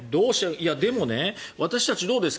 でも、私たちどうですか？